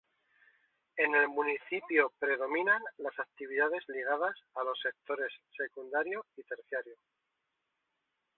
En el municipio predominan las actividades ligadas a los sectores secundario y terciario.